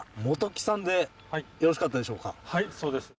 モトキさんでよろしかったでしょうか？